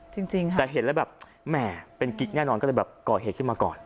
แต่เห็นแล้วแบบแหมเป็นกิ๊กแน่นอนก็เลยแบบก่อเหตุที่มาก่อน